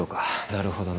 なるほど。